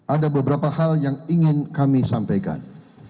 ada beberapa hal yang ingin kami sampaikan